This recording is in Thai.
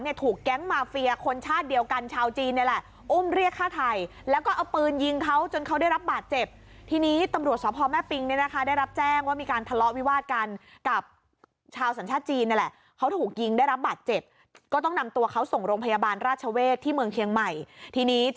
ถูกแก๊งมาเฟียคนชาติเดียวกันชาวจีนเนี่ยแหละอุ้มเรียกฆ่าไทยแล้วก็เอาปืนยิงเขาจนเขาได้รับบาดเจ็บทีนี้ตำรวจสพแม่ปิงเนี่ยนะคะได้รับแจ้งว่ามีการทะเลาะวิวาดกันกับชาวสัญชาติจีนนั่นแหละเขาถูกยิงได้รับบาดเจ็บก็ต้องนำตัวเขาส่งโรงพยาบาลราชเวศที่เมืองเชียงใหม่ทีนี้จะ